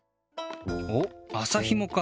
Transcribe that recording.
おっ麻ひもか。